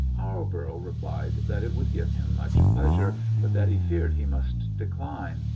Halborough replied that it would give him much pleasure, but that he feared he must decline.